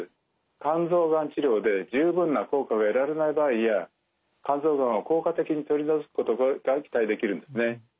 肝臓がん治療で十分な効果が得られない場合や肝臓がんを効果的に取り除くことが期待できるんですね。